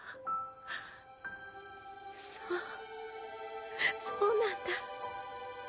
そうそうなんだ。